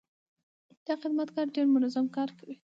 دا خدمتګر ډېر منظم کار کوي.